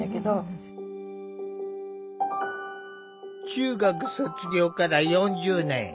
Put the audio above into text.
中学卒業から４０年。